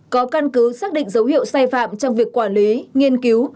có căn cứ xác định dấu hiệu sai phạm trong việc quản lý nghiên cứu